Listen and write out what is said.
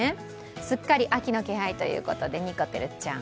すっかり秋の気配ということでにこてるちゃん。